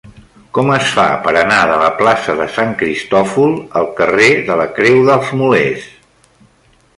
Com es fa per anar de la plaça de Sant Cristòfol al carrer de la Creu dels Molers?